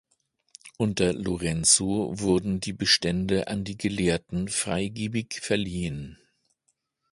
Unter Lorenzo wurden die Bestände an die Gelehrten freigebig verliehen.